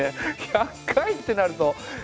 １００回ってなるとえっと